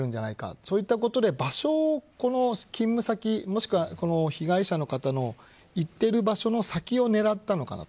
そういったことで場所を勤務先もしくは被害者の方の行っている場所の先を狙ったのかなと。